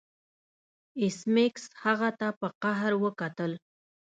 ایس میکس هغه ته په قهر وکتل